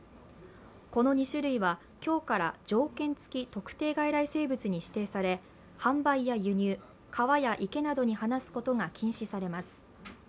この２種類は今日から条件付特定外来生物に指定され販売や輸入、川や池などに放すことが禁止されます。